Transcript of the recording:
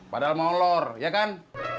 padahal mau olor ya kan